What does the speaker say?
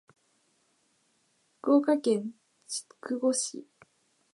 福岡県筑後市